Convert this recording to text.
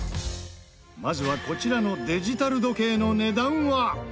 まずはこちらのデジタル時計の値段は。